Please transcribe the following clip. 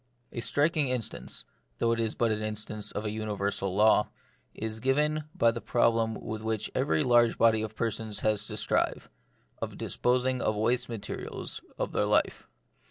A striking instance — though it is but an instance of a universal law — is given by the problem with which every large body of persons has to strive, of disposing of the waste materials of their life.